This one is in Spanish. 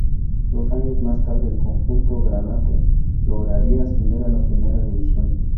Dos años más tarde el conjunto granate lograría ascender a Primera División.